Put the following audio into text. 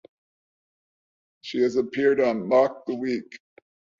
She has appeared on "Mock the Week".